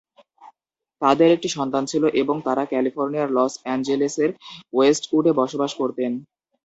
তাদের একটি সন্তান ছিল এবং তারা ক্যালিফোর্নিয়ার লস অ্যাঞ্জেলেসের ওয়েস্টউডে বসবাস করতেন।